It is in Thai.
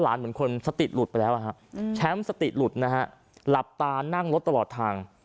เหมือนคนสติหลุดไปแล้วแชมป์สติหลุดนะฮะหลับตานั่งรถตลอดทาง